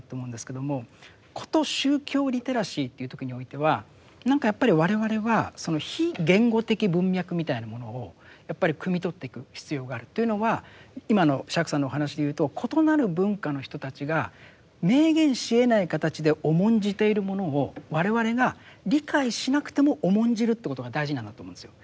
こと宗教リテラシーと言う時においては何かやっぱり我々はその非言語的文脈みたいなものをやっぱりくみ取っていく必要があるというのは今の釈さんのお話で言うと異なる文化の人たちが明言しえない形で重んじているものを我々が理解しなくても重んじるということが大事なんだと思うんですよ。